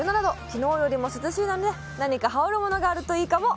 昨日よりも涼しいので、何か羽織るものがいいかも。